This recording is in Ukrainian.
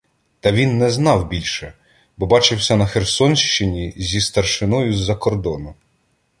Та він знав більше, бо бачився на Херсонщині зі старшиною з-за кордону.